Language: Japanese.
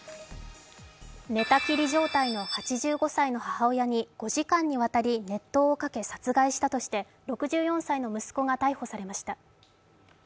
寝たきり状態の８５歳の母親に５時間にわたり熱湯をかけ殺害したとして６４歳の息子が逮捕されました。